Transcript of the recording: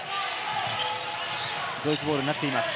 ドイツボールになっています。